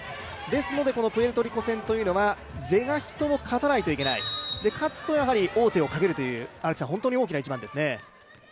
ですのでプエルトリコ戦というのは是が否でも勝たなければいけない勝つと王手をかけるという、本当に大きな一番ですね。